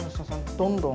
どんどん。